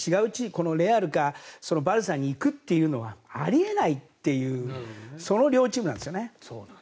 このレアルかバルサに行くというのはあり得ないっていうその両チームなんですよね。